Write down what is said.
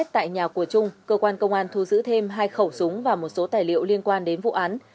tại nhà của trung cơ quan công an thu giữ thêm hai khẩu súng và một số tài liệu liên quan đến vụ án